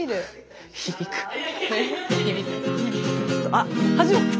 あっ始まった。